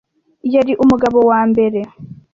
yari umugabo wa mbere